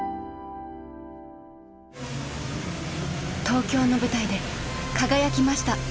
東京の舞台で輝きました。